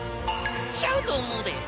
ちゃうと思うで。